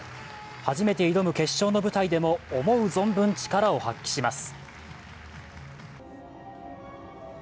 初めて挑む決勝の舞台でも思う存分、力を発揮します。